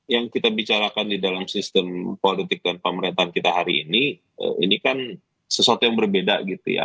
yang kita bicarakan di dalam sistem politik dan pemerintahan kita hari ini ini kan sesuatu yang berbeda gitu ya